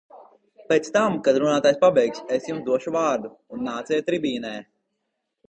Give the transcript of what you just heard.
Pēc tam, kad runātājs pabeigs, es jums došu vārdu, un nāciet tribīnē!